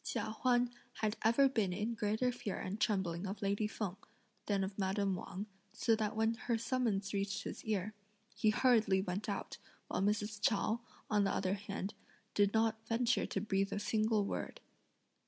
Chia Huan had ever been in greater fear and trembling of lady Feng, than of madame Wang, so that when her summons reached his ear, he hurriedly went out, while Mrs. Chao, on the other hand, did not venture to breathe a single word.